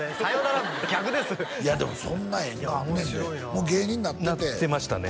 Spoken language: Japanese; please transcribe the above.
もう芸人なっててなってましたね